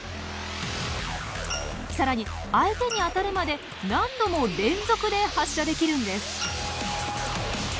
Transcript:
更に相手に当たるまで何度も連続で発射できるんです。